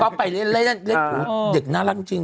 เขาไปเลี้ยงเล่นดูเด็กน่ารักจริง